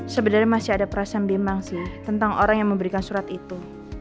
sebenarnya masih ada perasaan bimang sih tentang orang yang memberikan surat itu